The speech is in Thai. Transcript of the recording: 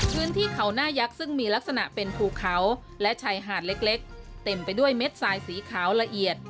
พื้นที่เขาหน้ายักษ์ซึ่งมีลักษณะเป็นภูเขาและชายหาดเล็กเต็มไปด้วยเม็ดทรายสีขาวละเอียด